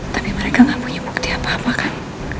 tapi mereka gak punya bukti apa apa kan